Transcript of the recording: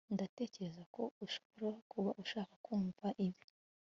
ndatekereza ko ushobora kuba ushaka kumva ibi